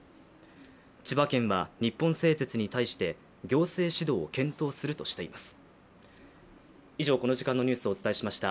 千葉県は、日本製鉄に対して行政指導を検討するとしています。